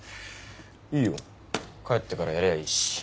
いいよ帰ってからやりゃあいいし。